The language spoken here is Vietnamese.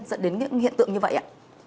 dẫn đến những hiện tượng như vậy ạ